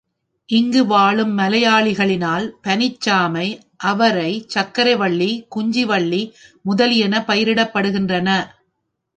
இங்கு வாழும் மலையாளிகளால் பனிச் சாமை, அவரை, சர்க்கரை வள்ளி, குச்சி வள்ளி முதலியன பயிரிடப்படுகின்றன.